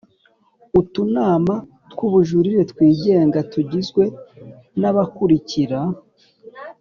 Utunama tw’ubujurire twigenga tugizwe n’aba bakurikira